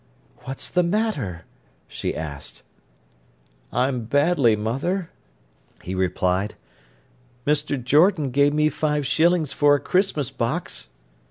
"What's the matter?" she asked. "I'm badly, mother!" he replied. "Mr. Jordan gave me five shillings for a Christmas box!"